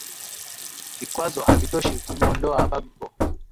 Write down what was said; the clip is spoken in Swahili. vikwazo havitoshi kumuondoa bagbo